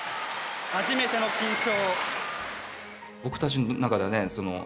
初めての金賞。